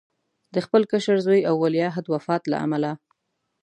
د خپل کشر زوی او ولیعهد وفات له امله.